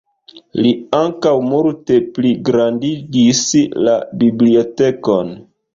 Li ankaŭ multe pligrandigis la bibliotekon.